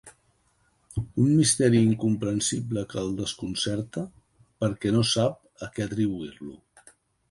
Un misteri incomprensible que el desconcerta perquè no sap a què atribuir-lo.